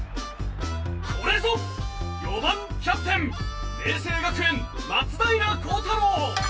これぞ４番キャプテン明青学園松平孝太郎。